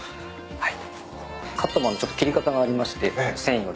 はい。